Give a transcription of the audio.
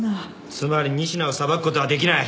つまり仁科を裁くことはできない。